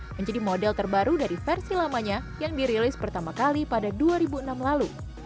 menjadi model terbaru dari versi lamanya yang dirilis pertama kali pada dua ribu enam lalu